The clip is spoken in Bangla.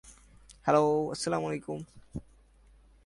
অ্যান্ডারসন এ প্রকল্পে দুইটি গুরুত্বপূর্ণ অবদান রাখেন।